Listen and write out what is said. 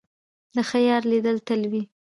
د ښه یار لیدل تل وي.